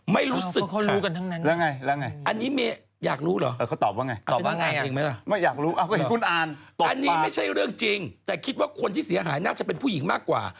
ไม่รู้สึกค่ะอันนี้เมอยากรู้เหรออันนี้ไม่ใช่เรื่องจริงแต่คิดว่าคนที่เสียหายน่าจะเป็นผู้หญิงมากกว่า